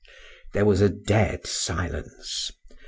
— —There was a dead silence.